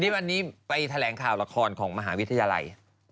วันนี้ไปแถลงข่าวละครของมหาวิทยาลัย